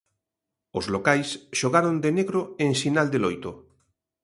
Os locais xogaron de negro en sinal de loito.